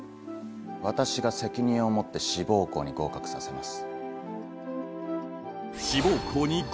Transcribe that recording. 私が責任を持って志望校に合格させます。